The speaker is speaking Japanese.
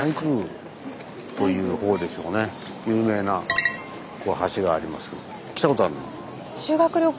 有名な橋がありますけども。